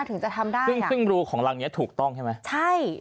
ถึงจะทำได้ซึ่งซึ่งรูของรังเนี้ยถูกต้องใช่ไหมใช่